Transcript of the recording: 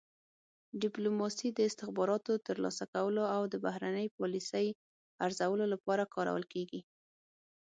ډیپلوماسي د استخباراتو ترلاسه کولو او د بهرنۍ پالیسۍ ارزولو لپاره کارول کیږي